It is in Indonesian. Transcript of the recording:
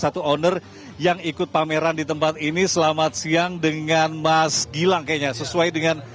satu owner yang ikut pameran di tempat ini selamat siang dengan mas gilang kayaknya sesuai dengan